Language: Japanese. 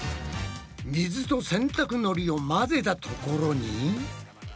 水と洗濯のりを混ぜたところに。